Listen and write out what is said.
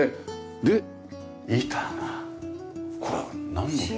で板がこれはなんの木？